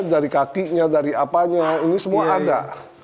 dari kakinya dari apanya ini semua ada